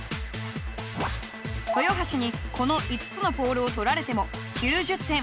豊橋にこの５つのポールを取られても９０点。